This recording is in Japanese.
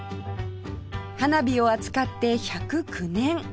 花火を扱って１０９年